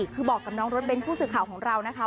คือบอกกับน้องรถเน้นผู้สื่อข่าวของเรานะคะ